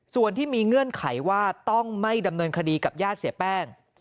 ส่วนที่มีเงื่อนไขว่าต้องไม่ดำเนินคดีกับญาติเสียแป้ง